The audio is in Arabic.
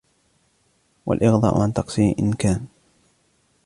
وَالْإِغْضَاءُ عَنْ تَقْصِيرٍ إنْ كَانَ